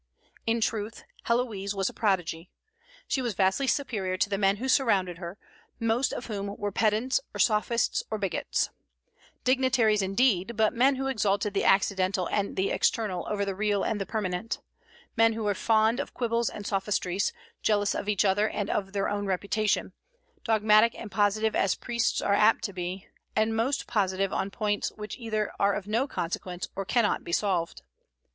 In truth, Héloïse was a prodigy. She was vastly superior to the men who surrounded her, most of whom were pedants, or sophists, or bigots; dignitaries indeed, but men who exalted the accidental and the external over the real and the permanent; men who were fond of quibbles and sophistries, jealous of each other and of their own reputation, dogmatic and positive as priests are apt to be, and most positive on points which either are of no consequence or cannot be solved.